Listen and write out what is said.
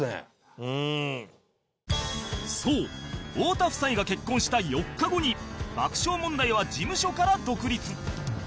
そう太田夫妻が結婚した４日後に爆笑問題は事務所から独立